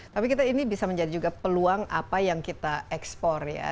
tapi kita ini bisa menjadi juga peluang apa yang kita ekspor ya